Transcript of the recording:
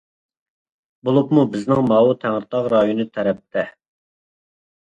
بولۇپمۇ بىزنىڭ ماۋۇ تەڭرىتاغ رايونى تەرەپتە.